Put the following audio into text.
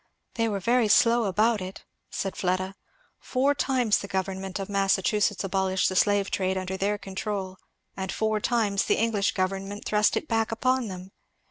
"They were very slow about it," said Fleda. "Four times the government of Massachusetts abolished the slave trade under their control, and four times the English government thrust it back upon them.